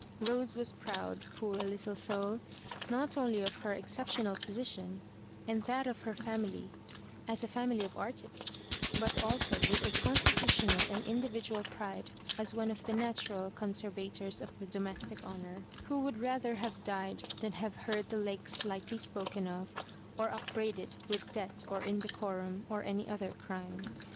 Rose was proud, poor little soul| not only of her exceptional position, and that of her family, «8 a family of artists, but also with a constitutional and individual pride as one of the natural conservfttors of the doroeatio honour, Digitized by VjOOQIC 90 MISS MABJORIBAKK& who would rather have died than hare heard the Lakes lightly spoken o^ or upbraided with debt or indeoorum, or any other crime.